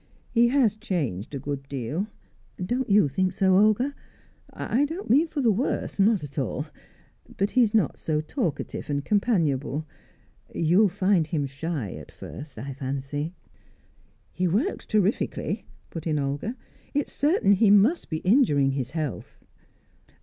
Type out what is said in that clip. He has changed a good deal don't you think so, Olga? I don't mean for the worse; not at all; but he is not so talkative and companionable. You'll find him shy at first, I fancy." "He works terrifically," put in Olga. "It's certain he must be injuring his health."